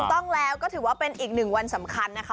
ต้องแล้วก็ถือว่าเป็นอีกหนึ่งวันสำคัญนะคะ